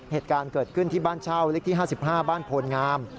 เหตุการณ์เกิดขึ้นที่บ้านเช่าเลขที่๕๕บ้านโพลงาม